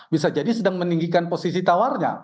bisa jadi sedang meninggikan posisi tawarnya